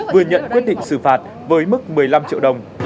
vừa nhận quyết định xử phạt với mức một mươi năm triệu đồng